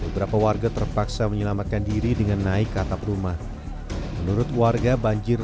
beberapa warga terpaksa menyelamatkan diri dengan naik ke atap rumah menurut warga banjir